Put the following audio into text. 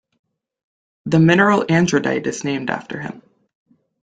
The mineral andradite is named after him.